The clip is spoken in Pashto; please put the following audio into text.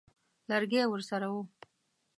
لرګی ورسره وو.